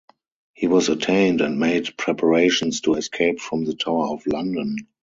He was attainted and made preparations to escape from the Tower of London.